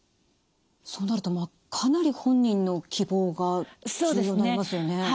そうなるとかなり本人の希望が重要になりますよね。